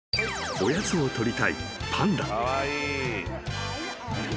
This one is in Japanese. ［おやつを取りたいパンダ］